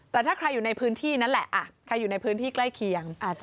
แต่ถ้าใครอยู่ในพื้นที่นั่นแหละใครอยู่ในพื้นที่ใกล้เคียง